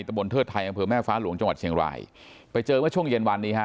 บนเทิดไทยอำเภอแม่ฟ้าหลวงจังหวัดเชียงรายไปเจอเมื่อช่วงเย็นวันนี้ฮะ